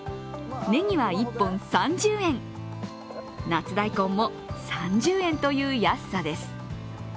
ねぎは１本３０円、夏大根も３０円という安さです。